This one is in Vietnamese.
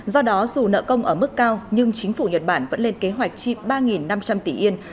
do đó dù nợ công ở mức cao nhưng chính phủ nhật bản vẫn lên kế hoạch chi ba năm trăm linh tỷ yên